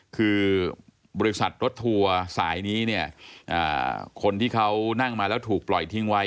คือบริษัทรถทัวร์สายนี้เนี่ยคนที่เขานั่งมาแล้วถูกปล่อยทิ้งไว้